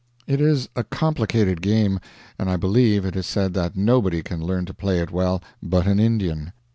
It is a complicated game, and I believe it is said that nobody can learn to play it well but an Indian.